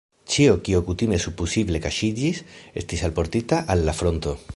Ĉio, kio kutime supozeble kaŝiĝis, estis alportita al la fronto.